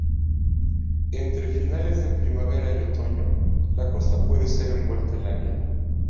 Entre finales de primavera y otoño, la costa puede ser envuelta en la niebla.